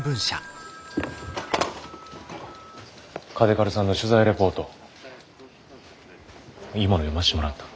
嘉手刈さんの取材レポートいいもの読ましてもらった。